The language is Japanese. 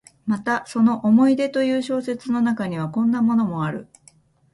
またその「思い出」という小説の中には、こんなのもある。